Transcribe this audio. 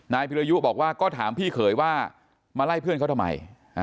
พิรยุบอกว่าก็ถามพี่เขยว่ามาไล่เพื่อนเขาทำไม